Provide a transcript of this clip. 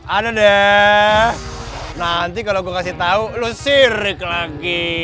ada deh nanti kalau gue kasih tau lo sirik lagi